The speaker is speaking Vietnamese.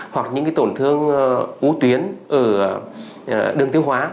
hoặc những tổn thương u tuyến ở đường tiêu hóa